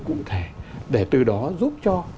cụ thể để từ đó giúp cho